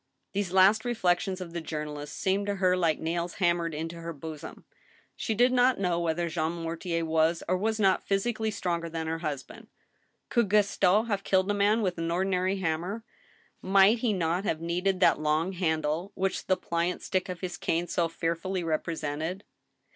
These last reflections of the journalist seemed to her like nails hammered into her bosom. She did not know whether Jean Mortier was or was not physi cally stronger than her husband. Could Gaston have killed a man with an ordinary hammer ? Might Jie not have needed that long ' handle, which the pliant stick of his cane so fearfully repre sented